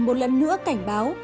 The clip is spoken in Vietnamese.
một lần nữa cảnh báo